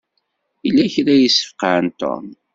Yella kra i yesfeqɛen Tom.